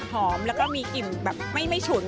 หอมแล้วก็มีกลิ่นแบบไม่ฉุน